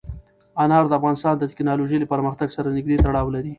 انار د افغانستان د تکنالوژۍ له پرمختګ سره نږدې تړاو لري.